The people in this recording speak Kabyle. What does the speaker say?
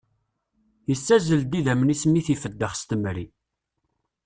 Yessazzel-d idammen-is mi i t-ifeddex s temri